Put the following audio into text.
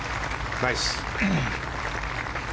ナイス。